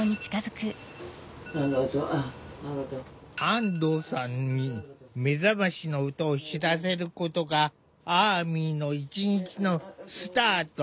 安藤さんに目覚ましの音を知らせることがアーミの一日のスタート。